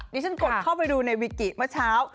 ดิฉันกดเข้าไปดูในวิกิเมื่อเช้า